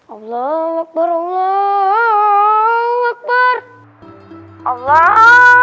allahah wakbar allah brainstorm allah